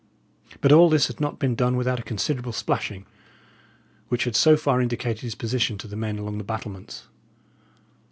But all this had not been done without a considerable splashing, which had so far indicated his position to the men along the battlements.